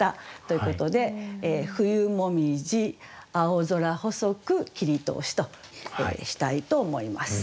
ということで「冬紅葉あをぞら細く切通し」としたいと思います。